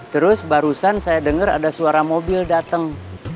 terus barusan saya denger ada suara mobil dateng